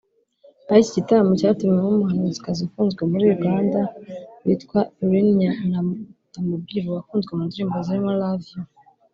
aho iki gitaramo cyatumiwemo umuhanzikazi ukunzwe muri Uganda witwa Iryn Namubiru wakunzwe mu ndirimbo zirimo Love you